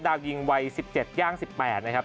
ยิงวัย๑๗ย่าง๑๘นะครับ